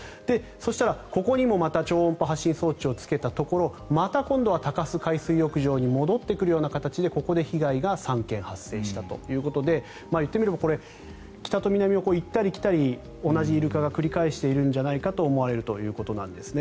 そうしたら、ここにもまた超音波発信装置をつけたところまた今度は鷹巣海水浴場に戻ってくるような形でここで被害が３件発生したということで言ってみれば北と南を行ったり来たり同じイルカが繰り返しているんじゃないかと思われるということです。